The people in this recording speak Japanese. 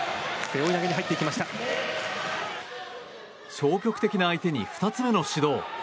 消極的な相手に２つ目の指導。